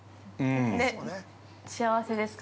◆で、幸せですか。